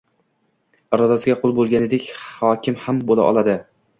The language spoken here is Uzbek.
Irodasiga qul bo'lganidek, hokim ham bo'la oladi.